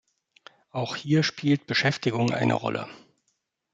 Auch hier spielt Beschäftigung eine Rolle.